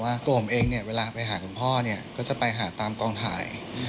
ตัวผมเองเนี่ยเวลาไปหาคุณพ่อเนี่ยก็จะไปหาตามกองถ่าย